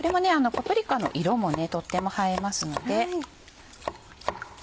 パプリカの色もとっても映えますので。